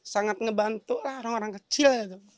sangat ngebantu lah orang orang kecil